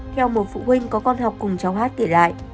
theo một phụ huynh có con học cùng cháu hát kể lại